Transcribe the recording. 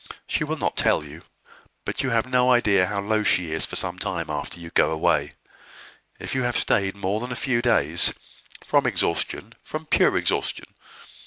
She will not tell you; but you have no idea how low she is for some time after you go away, if you have stayed more than a few days, from exhaustion from pure exhaustion.